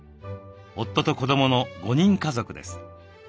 夫と子どもの５人家族です。